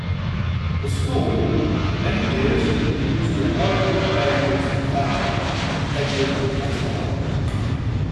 The school for many years used the armorial bearings of the founder, Edward Latymer.